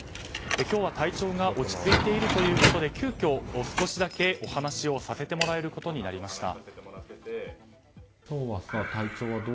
今日は体調が落ち着いているということで急きょ、少しだけお話をさせてもらえることになりました。